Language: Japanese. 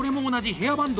ヘアバンド！